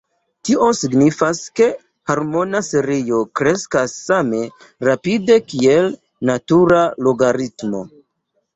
Tio signifas, ke harmona serio kreskas same rapide kiel natura logaritmo.